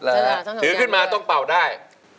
ถือขึ้นมาต้องเป่าได้